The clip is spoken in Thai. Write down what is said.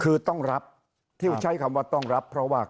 คือต้องรับที่ใช้คำว่าต้องรับเพราะว่า